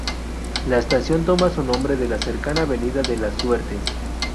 La estación toma su nombre de la cercana avenida de Las Suertes.